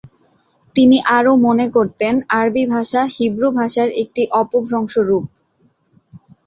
তিনি আরও মনে করতেন আরবি ভাষা হিব্রু ভাষার একটি অপভ্রংশ রূপ।